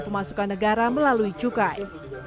pemasukan negara melalui cukai